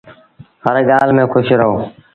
هر ڳآل ميݩ کُوش رهو